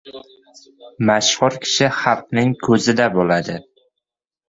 Mashhur kishi xalqning ko‘zida bo‘ladi.